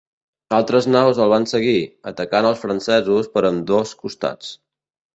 Altres naus el van seguir, atacant als francesos per ambdós costats.